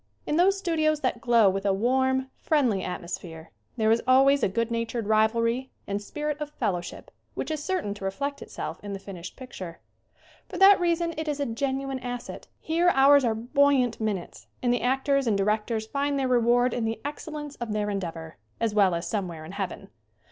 In those studios that glow with a warm, friendly atmosphere there is always a good natured rivalry and spirit of fellowship which SCREEN ACTING 103 is certain to reflect itself in the finished pic ture. For that reason it is a genuine asset. Here hours are buoyant minutes and the actors and directors find their reward in the excel lence of their endeavor, as well as somewhere in Heaven.